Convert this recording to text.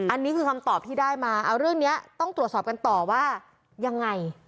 อันนี้คือคำตอบที่ได้มาเอาเรื่องนี้ต้องตรวจสอบกันต่อว่ายังไง